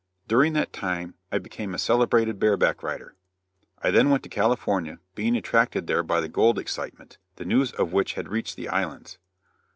During that time I became a celebrated bare back rider. I then went to California, being attracted there by the gold excitement, the news of which had reached the Islands.